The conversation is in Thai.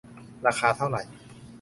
ราคาเท่าไร